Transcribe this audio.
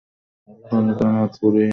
ফলে তার হাত পুড়ে ধোঁয়া উঠতে লাগল।